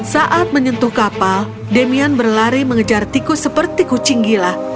saat menyentuh kapal demian berlari mengejar tikus seperti kucing gila